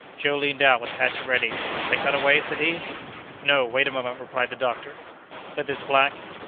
Joe leaned out with a hatchet ready. "Shall I cut away?" said he. "No; wait a moment," replied the doctor. "But this black?"